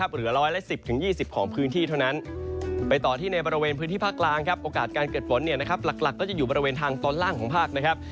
หลักก็จะอยู่บริเวณทางตอนล่างของภาคนะครับ